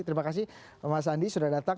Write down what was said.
terima kasih mas andi sudah datang